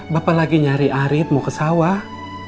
bapak lagi nyari arit mau ke sawah